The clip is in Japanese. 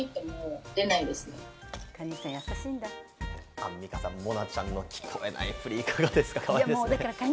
アンミカさん、もなちゃんの聞こえないふりいかがですか？